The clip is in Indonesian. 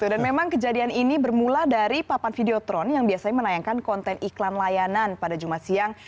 dan memang kejadian ini bermula dari papan videotron yang biasanya menayangkan konten iklan layanan pada jumat siang